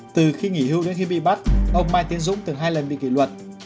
từ khi nghỉ hưu đến khi bị bắt ông mai tiến dũng từng hai lần bị kỷ luật